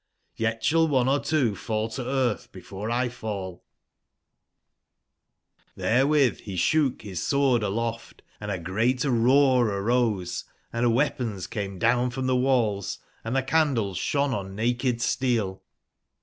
Y^t shall one or two fall to earth before X fall/' mSRSmXCT) he shook his sword aloft, & a great roar arose, and weapons came down from the wall, & the candles shone on naked i steel.